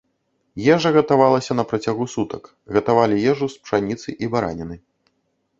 Ежа гатавалася на працягу сутак, гатавалі ежу з пшаніцы і бараніны.